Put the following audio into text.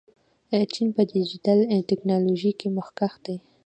چین په ډیجیټل تکنالوژۍ کې مخکښ دی.